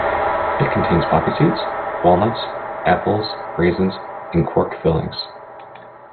It contains poppy seeds, walnuts, apples, raisins and quark fillings.